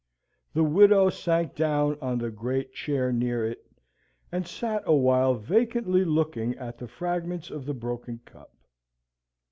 The widow sank down on a great chair near it, and sat a while vacantly looking at the fragments of the broken cup.